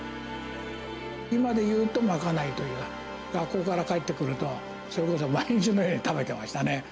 今でいうと賄いという、学校から帰ってくると、それこそ毎日のように食べてましたね。